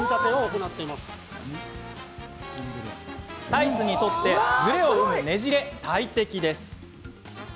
タイツにとってズレを生む、ねじれは大敵です。